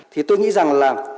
thì tôi nghĩ rằng là